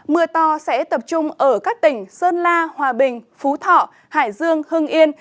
mưa to sẽ tập trung ở các tỉnh sơn la hòa bình phú thọ hải dương hưng yên